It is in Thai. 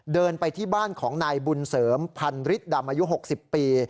เดินไปที่บ้านของนายบุญเสริมพันฤทธดำอายุ๖๐ปี